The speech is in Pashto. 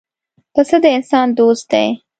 پسه د انسان دوست دی.